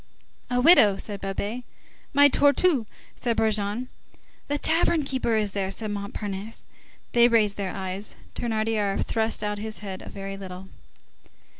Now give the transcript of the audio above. "A widow,"37 said Babet. "My tortouse!"38 said Brujon. "The tavern keeper is there," said Montparnasse. They raised their eyes. Thénardier thrust out his head a very little.